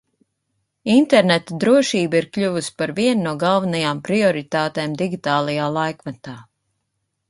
Interneta drošība ir kļuvusi par vienu no galvenajām prioritātēm digitālajā laikmetā.